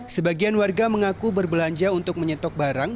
sebagian warga mengaku berbelanja untuk menyetok barang